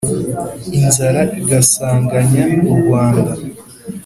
inzara igasaganya u rwanda;